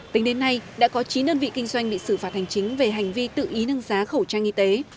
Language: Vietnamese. tính đến nay đã có chín đơn vị kinh doanh bị xử phạt hành chính về hành vi tự ý nâng giá khẩu trang y tế